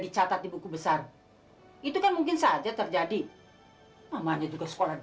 dicatat di buku besar itu kan mungkin saja terjadi mamanya juga sekolah